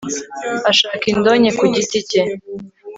ashaka indonke ku giti cye